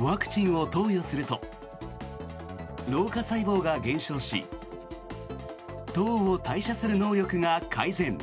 ワクチンを投与すると老化細胞が減少し糖を代謝する能力が改善。